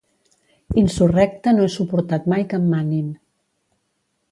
Insurrecte no he suportat mai que em manin